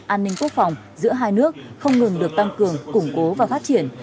an ninh quốc phòng giữa hai nước không ngừng được tăng cường củng cố và phát triển